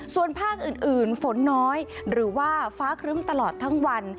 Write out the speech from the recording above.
ส่วนภาคอื่นฝนน้อยหรือว่าฟ้าครึ้มตลอดทั้งวัน